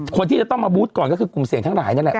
คนที่จะต้องมาบูธก่อนก็คือกลุ่มเสี่ยงทั้งหลายนั่นแหละ